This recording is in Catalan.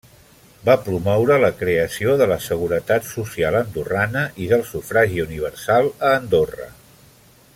Va promoure la creació de la Seguretat Social andorrana i del sufragi universal a Andorra.